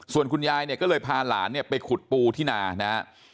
ส่วนคุณยายเนี่ยก็เลยพาหลานเนี่ยไปขุดปูที่นานะฮะ